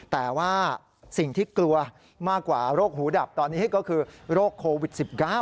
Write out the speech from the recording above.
แต่ว่าสิ่งที่กลัวมากกว่าโรคหูดับตอนนี้ก็คือโรคโควิด๑๙